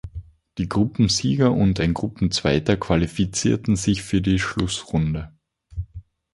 Die Gruppensieger und ein Gruppenzweiter qualifizierten sich für die Schlussrunde.